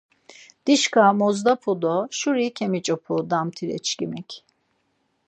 Dişka moxdapu do şuri kemiç̌opu damtire çkimik.